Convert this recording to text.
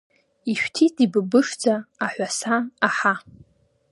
Ишәҭит ибыбышӡа, аҳәаса, аҳа.